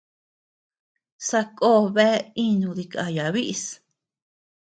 Sakó bea inu dikaya bíʼis.